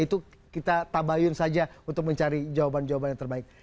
itu kita tabayun saja untuk mencari jawaban jawaban yang terbaik